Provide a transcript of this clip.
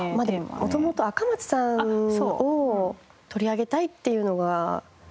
元々赤松さんを取り上げたいっていうのがあって。